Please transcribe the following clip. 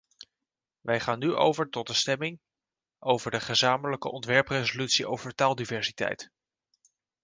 Wij gaan nu over tot de stemming over de gezamenlijke ontwerpresolutie over taaldiversiteit.